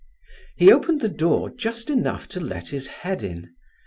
He opened the door just enough to let his head in.